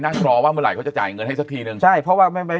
รอว่าเมื่อไหร่เขาจะจ่ายเงินให้สักทีนึงใช่เพราะว่าไม่ไม่